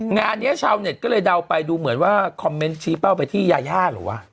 งานนี้ชาวเน็ตก็เลยเดาไปดูเหมือนว่าคอมเมนต์ชี้เป้าไปที่ยายาเหรอวะ